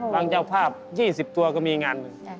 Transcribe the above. เจ้าภาพ๒๐ตัวก็มีงานหนึ่ง